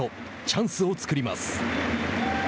チャンスを作ります。